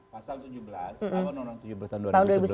pasal tujuh belas tahun dua ribu sebelas